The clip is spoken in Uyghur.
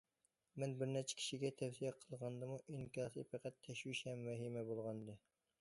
مەن بىر نەچچە كىشىگە تەۋسىيە قىلغاندىمۇ ئىنكاسى پەقەت تەشۋىش ھەم ۋەھىمە بولغانىدى.